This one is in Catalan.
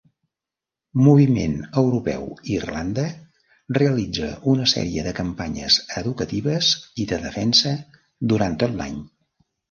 Moviment Europeu Irlanda realitza una sèrie de campanyes educatives i de defensa durant tot l'any.